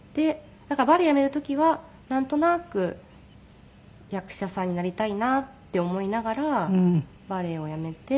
だからバレエやめる時はなんとなく役者さんになりたいなって思いながらバレエをやめて。